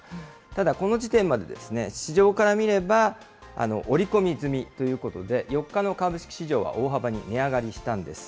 ただこの時点まで、市場から見れば、折り込み済みということで、４日の株式市場は大幅に値上がりしたんです。